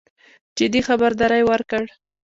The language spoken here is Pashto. جدي خبرداری ورکړ.